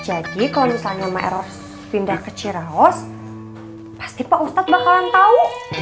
jadi kalau misalnya emak eros pindah ke ciraos pasti pak ustadz bakalan tau